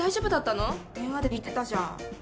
電話で言ってたじゃん。